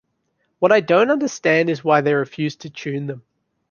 What I don't understand is why they refuse to tune them.